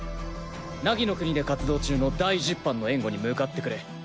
凪の国で活動中の第十班の援護に向かってくれ。